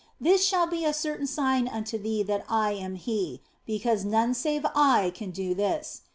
This shall be a certain sign unto thee that I am He, because none save I can do this.